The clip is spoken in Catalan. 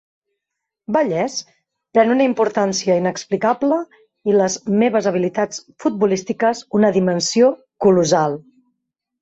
Vallès pren una importància inexplicable i les meves habilitats futbolístiques una dimensió colossal.